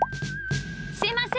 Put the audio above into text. すいません！